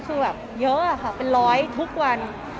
คือแบบเยอะค่ะเป็นร้อยทุกวัน